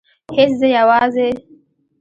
هیڅ زه یوازې